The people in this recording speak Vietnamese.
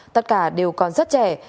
tất cả đều còn rất trẻ